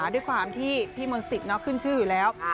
ด้วยความที่พี่มนต์สิทธิ์ขึ้นชื่ออยู่แล้ว